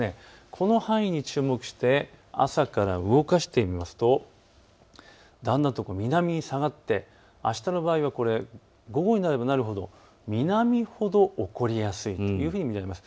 この範囲に注目して朝から動かしてみますとだんだんと南に下がってあしたの場合は午後になればなるほど南ほど起こりやすいというふうに見られます。